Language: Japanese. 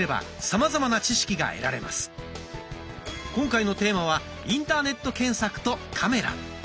今回のテーマは「インターネット検索とカメラ」。